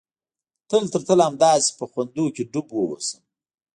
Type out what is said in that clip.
تل تر تله همداسې په خوندونو کښې ډوب واوسم.